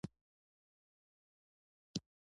د احمدشاه بابا مور زرغونه انا نوميږي.